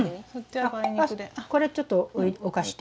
これちょっと置かして。